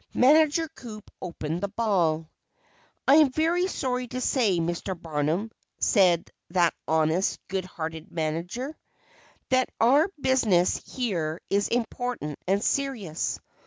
Manager Coup opened the ball. "I am very sorry to say, Mr. Barnum," said that honest, good hearted manager, "that our business here is important and serious.